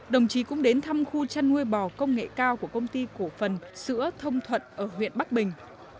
đồng chí cũng đến thăm khu chăn nuôi bò công nghệ cao của công ty cổ phần sữa thông thuận ở huyện bắc bình